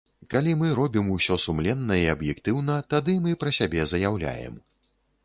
Калі мы робім усё сумленна і аб'ектыўна, тады мы пра сябе заяўляем.